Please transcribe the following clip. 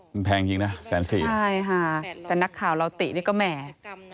มันแพงจริงนะแสนสี่ใช่ค่ะแต่นักข่าวเราตินี่ก็แหม